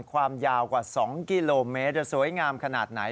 ความยาวกว่า๒กิโลเมตรจะสวยงามขนาดไหน